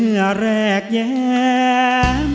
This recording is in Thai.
มือแรกย้าย